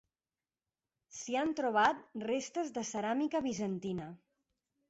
S'hi han trobat restes de ceràmica bizantina.